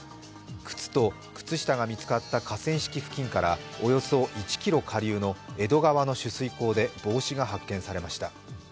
靴と靴下が見つかった河川敷付近からおよそ１ｋｍ下流の江戸川の取水口で帽子が発見されました。